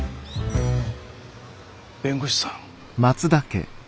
弁護士さん？